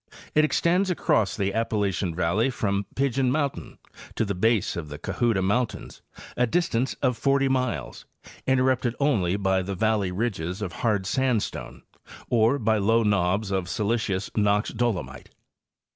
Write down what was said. It extends across the Appalachian valley from Pigeon mountain to the base of the Cohutta mountains, a distance of 40 miles, interrupted only by the valley ridges of hard sand stone or by low knobs of silicious Knox dolomite.